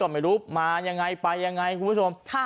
ไม่รู้มายังไงไปยังไงคุณผู้ชม